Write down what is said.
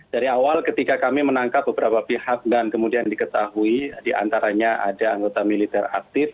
dari awal ketika kami menangkap beberapa pihak dan kemudian diketahui diantaranya ada anggota militer aktif